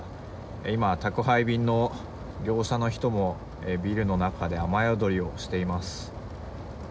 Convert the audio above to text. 今、宅配便の業者の人もビルの中で雨宿りをしています。